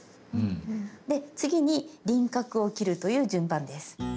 で次に輪郭を切るという順番です。